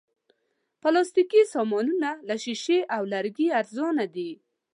پلاستيکي سامانونه له شیشې او لرګي ارزانه دي.